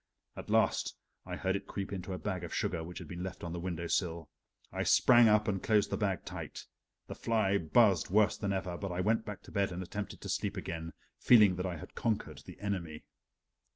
At last I heard it creep into a bag of sugar which had been left on the window sill. I sprang up and closed the bag tight. The fly buzzed worse than ever, but I went back to bed and attempted to sleep again, feeling that I had conquered the enemy.